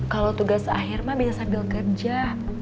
kalau tugas akhir mah bisa sambil kerja